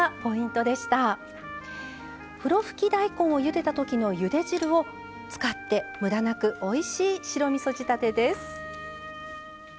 ふろふき大根をゆでたときのゆで汁を使ってむだなくおいしい白みそ仕立てです。